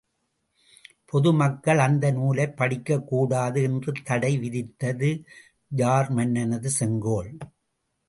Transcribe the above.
பொது மக்கள் அந்த நூலைப் படிக்கக் கூடாது என்று தடை விதித்தது ஜார் மன்னனது செங்கோல்!